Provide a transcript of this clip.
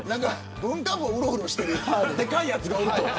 文化部をうろうろしているでかいやつがいると。